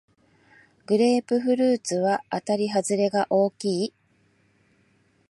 グレープフルーツはあたりはずれが大きい